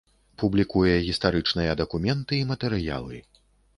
Публікуе гістарычныя дакументы і матэрыялы.